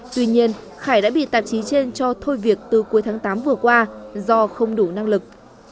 tuy nhiên khải đã bị tạp chí trên cho thôi việc từ cuối tháng tám vừa qua do không đủ năng lực